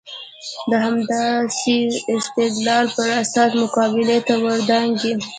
د همداسې استدلال پر اساس مقابلې ته ور دانګي.